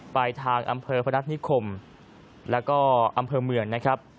ไปทางอำเภอพระนักษณิคมและอำเภอเมือง